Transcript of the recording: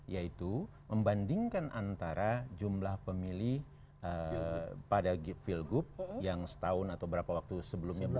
yaitu membandingkan antara jumlah pemilih pada pilgub yang setahun atau berapa waktu sebelumnya